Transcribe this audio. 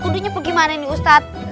kudunya bagaimana ini ustadz